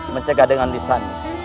mencegah dengan lisannya